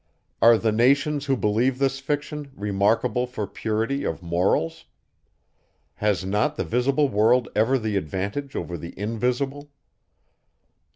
Are the nations, who believe this fiction, remarkable for purity of morals? Has not the visible world ever the advantage over the invisible?